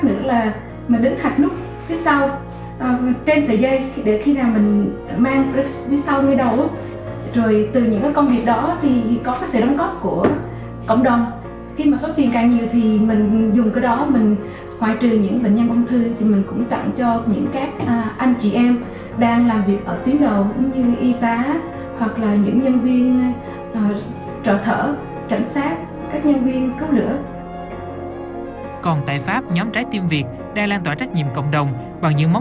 nhân viên có lửa còn tại pháp nhóm trái tim việt đang lan tỏa trách nhiệm cộng đồng bằng những món